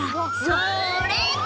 「それ！」